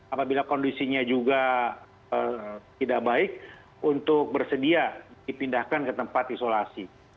apabila kondisinya juga tidak baik untuk bersedia dipindahkan ke tempat isolasi